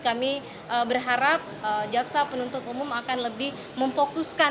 kami berharap jaksa penuntut umum akan lebih memfokuskan